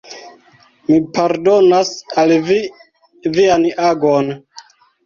Mi pardonas al vi vian agon.